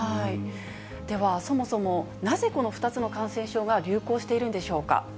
ではそもそも、なぜこの２つの感染症が流行しているんでしょうか。